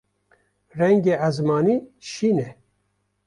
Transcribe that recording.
Rengê ezmanî şîn e.